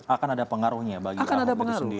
akan ada pengaruhnya bagi aho sendiri